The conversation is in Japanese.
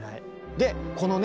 でこのね